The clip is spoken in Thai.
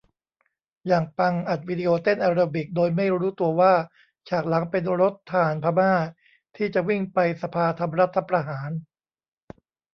อย่างปัง อัดวิดีโอเต้นแอโรบิค โดยไม่รู้ตัวว่าฉากหลังเป็นรถทหารพม่าที่จะวิ่งไปสภาทำรัฐประหาร